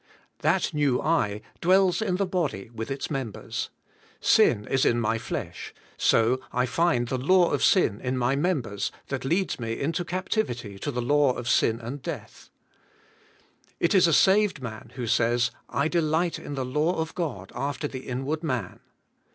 That new "I" dwells in the body with its members. Sin is in my flesh, so I find the law of sin 204 THE SPIRITUAI. LIFE. in my members, that leads me into captivity to the law of sin and death. It is a saved man who says, "I delight in the law of God after the inward man."